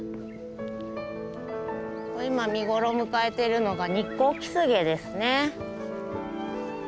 今見頃を迎えてるのがニッコウキスゲですね。